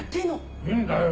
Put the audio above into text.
いいんだよ。